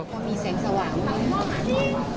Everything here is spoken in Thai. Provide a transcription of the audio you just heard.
มีเสียงสว่าง